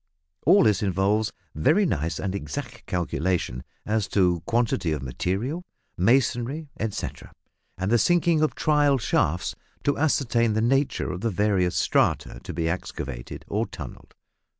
All this involves very nice and exact calculation as to quantity of material, masonry, etcetera, and the sinking of "trial shafts" to ascertain the nature of the various strata to be excavated or tunnelled.